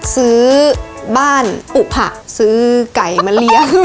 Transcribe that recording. ซื้อบ้านอุผะซื้อไก่มาเลี้ยง